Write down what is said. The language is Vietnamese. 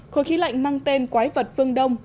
khối khí lạnh mang tên quái vật phương đông